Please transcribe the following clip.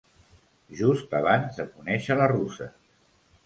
Just abans de conèixer la russa.